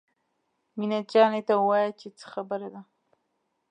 مينه جانې ته ووايه چې څه خبره ده.